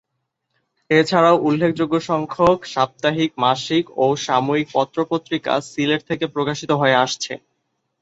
এছাড়াও উল্লেখযোগ্য সংখ্যক সাপ্তাহিক, মাসিক ও সাময়িক পত্র পত্রিকা সিলেট থেকে প্রকাশিত হয়ে আসছে।